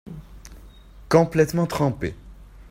complètement trempé.